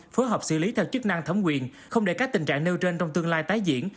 phối hợp xử lý theo chức năng thẩm quyền không để các tình trạng nêu trên trong tương lai tái diễn